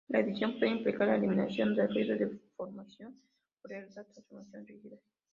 La edición puede implicar eliminación de ruido, deformación o realizar transformaciones rígidas.